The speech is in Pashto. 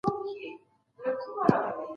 زرین انځور د داستاني اثر پر تحقیق ټینګار کاوه.